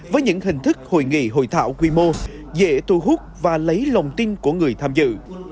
với những hình thức hội nghị hội thảo quy mô dễ thu hút và lấy lòng tin của người tham dự